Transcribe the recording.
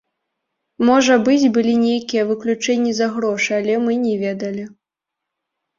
Можа быць, былі нейкія выключэнні за грошы, але мы не ведалі.